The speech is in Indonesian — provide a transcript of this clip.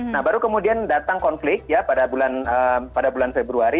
nah baru kemudian datang konflik ya pada bulan februari